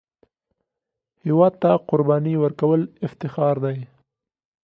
هېواد ته قرباني ورکول افتخار دی